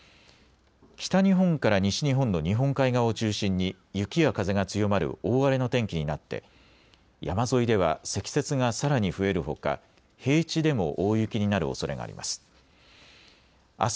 北日本から西日本の日本海側を中心に雪や風が強まる大荒れの天気になって山沿いでは積雪がさらに増えるほか平地でも大雪になるおそれがあります。